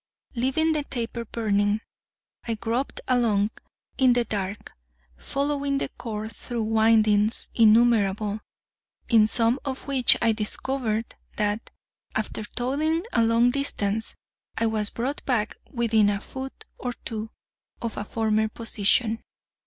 Leaving the taper burning, I groped along in the dark, following the cord through windings innumerable, in some of which I discovered that, after toiling a long distance, I was brought back within a foot or two of a former position.